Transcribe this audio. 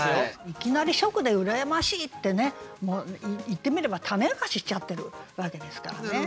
いきなり初句で「羨ましい」ってね言ってみれば種明かししちゃってるわけですからね。